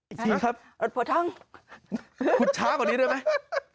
อีกทีครับรถโพท่องขุดช้ากว่านี้เรียกได้มั้ย